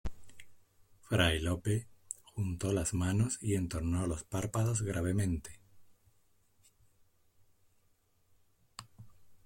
fray Lope juntó las manos y entornó los párpados gravemente: